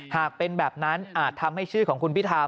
หากเป็นแบบนั้นอาจทำให้ชื่อของคุณพิธา